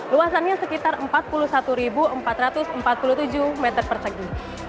luasannya sekitar empat puluh satu empat ratus empat puluh tujuh meter persegi